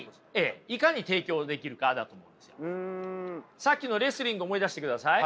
さっきのレスリングを思い出してください。